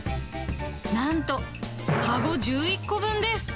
なんと、籠１１個分です。